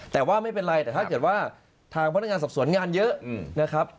แต่ว่าไม่เป็นไรแต่ถ้าเกิดว่าทางพนักงานสอบสวนงานเยอะนะครับ